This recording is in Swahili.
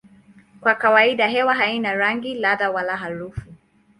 Kwa kawaida hewa haina rangi, ladha wala harufu.